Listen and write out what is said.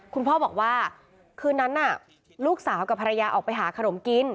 คุณพ่อบอกว่าคืนนั้นลูกสาวกับภรรยาออกไปหาขนมกิน